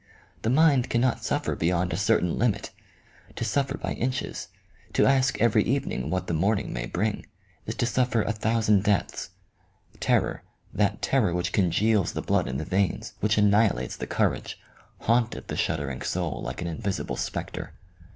The mind cannot suffer beyond a certain limit. To suffer by inches, to ask every evening what the morning may bring, is to surfer a thousand deaths. Terror, that terror which OMEGA . ii congeals the blood in the veins, which annihilates the cour age, haunted the shuddering soul like an invisible spectre.